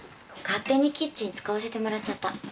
勝手にキッチン使わせてもらっちゃった。